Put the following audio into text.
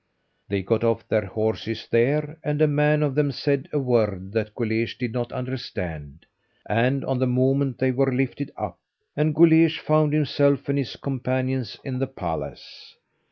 They got off their horses there, and a man of them said a word that Guleesh did not understand, and on the moment they were lifted up, and Guleesh found himself and his companions in the palace.